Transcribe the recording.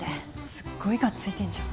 すごいがっついてんじゃん。